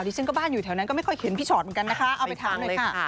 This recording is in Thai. พี่ชอตเหมือนกันนะคะเอาไปทางด้วยค่ะ